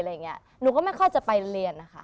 อะไรอย่างนี้หนูก็ไม่ค่อยจะไปเรียน